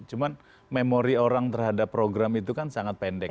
cuma memori orang terhadap program itu kan sangat pendek